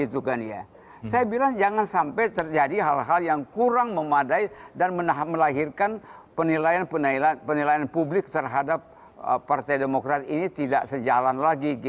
saya bilang jangan sampai terjadi hal hal yang kurang memadai dan melahirkan penilaian publik terhadap partai demokrat ini tidak sejalan lagi